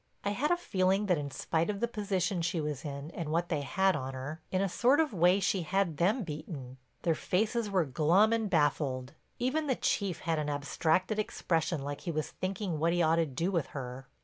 I had a feeling that in spite of the position she was in and what they had on her, in a sort of way she had them beaten. Their faces were glum and baffled, even the Chief had an abstracted expression like he was thinking what he ought to do with her.